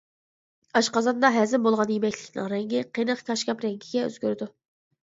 ئاشقازاندا ھەزىم بولغان يېمەكلىكنىڭ رەڭگى قېنىق كاشكاپ رەڭگىگە ئۆزگىرىدۇ.